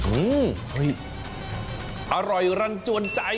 อืมเฮ้ยอร่อยรันจวนใจ